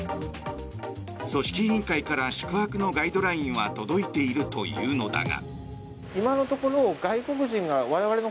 組織委員会から宿泊のガイドラインは届いているというのだが。